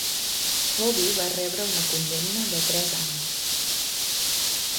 Hobby va rebre una condemna de tres anys.